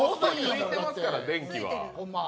ついてますから、電気は。